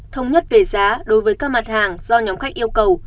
thống nhất về giá đối với các mặt hàng do nhóm khách yêu cầu